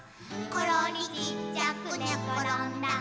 「ころりちっちゃくねころんだ」